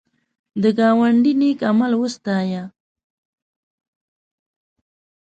د ګاونډي نېک عمل وستایه